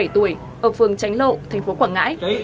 ba mươi bảy tuổi ở phường tránh lộ tp quảng ngãi